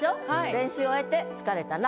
練習終えて疲れたな。